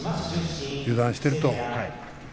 油断しているとね。